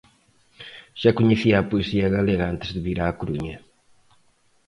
Xa coñecía a poesía galega antes de vir á Coruña.